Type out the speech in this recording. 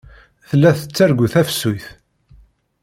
Tella tettargu tafsut.